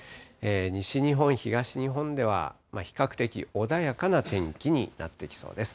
西日本、東日本では比較的穏やかな天気になってきそうです。